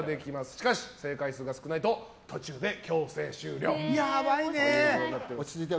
しかし正解数が少ないと途中で強制終了。